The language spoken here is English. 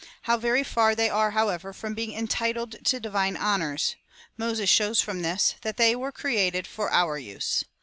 How very far they are, however, from being entitled to divine honours, Moses shows from this, that they were created for our use.